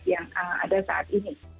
yang ada saat ini